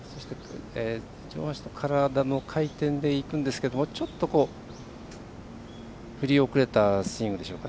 体の回転でいくんですけどちょっと、振り遅れたスイングでしょうか。